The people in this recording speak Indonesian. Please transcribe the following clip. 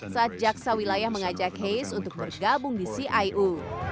saat jaksa wilayah mengajak haze untuk bergabung di ciu